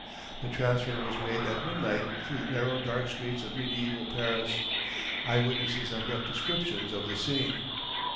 The transfer was made at midnight through the narrow dark streets of mediæval Paris. Eyewitnesses have left descriptions of the scene.